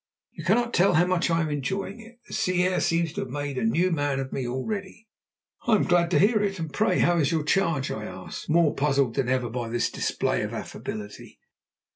You cannot tell how much I am enjoying it. The sea air seems to have made a new man of me already." "I am glad to hear it. And pray how is your charge?" I asked, more puzzled than ever by this display of affability.